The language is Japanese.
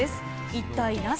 一体なぜ？